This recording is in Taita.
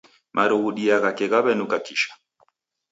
Marughudia ghake ghawenuka kisha